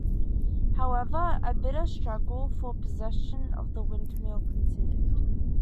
However, a bitter struggle for possession of the windmill continued.